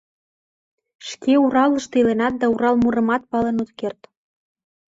Шке Уралыште иленат да Урал мурымат пален от керт...